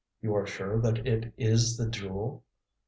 You are sure that it is the Jewel?"